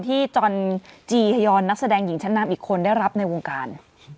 ที่จรรย์จีฮยรนักแสดงหญิงชั้นนามอีกคนได้รับในวงการ